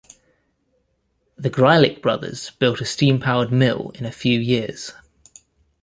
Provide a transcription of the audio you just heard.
The Greilick brothers built a steam-powered mill in a few years.